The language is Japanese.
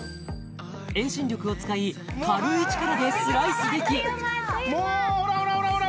遠心力を使い軽い力でスライスできもうほらほらほらほら